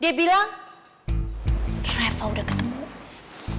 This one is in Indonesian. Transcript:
dia bilang kenapa udah ketemu mas